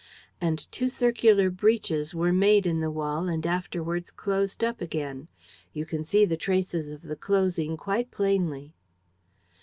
And two circular breaches were made in the wall and afterwards closed up again. You can see the traces of the closing quite plainly."